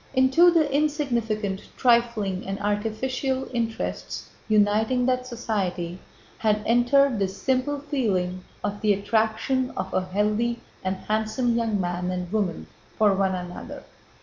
Into the insignificant, trifling, and artificial interests uniting that society had entered the simple feeling of the attraction of a healthy and handsome young man and woman for one another.